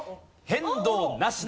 変動なし。